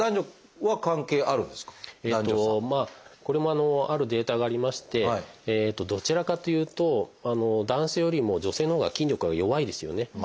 これもあるデータがありましてどちらかというと男性よりも女性のほうが筋力が弱いですよね。